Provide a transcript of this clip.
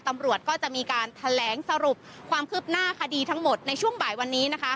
ตำรวจก็จะมีการแถลงสรุปความคืบหน้าคดีทั้งหมดในช่วงบ่ายวันนี้นะคะ